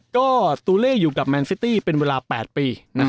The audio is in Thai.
ก็ตูเล่อยู่กับแมนซิตี้เป็นเวลา๘ปี